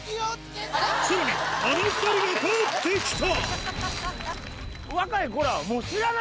さらにあの２人が帰ってきた！